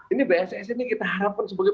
ini bss ini kita harapkan sebagai